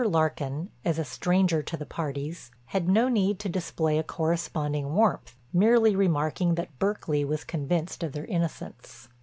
Larkin, as a stranger to the parties, had no need to display a corresponding warmth, merely remarking that Berkeley was convinced of their innocence.